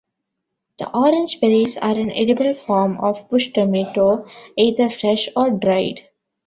The orange berries are an edible form of bush tomato either fresh or dried.